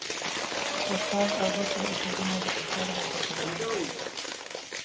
استاد ابوبکر اصولي مو د سفر موټر چلوونکی و.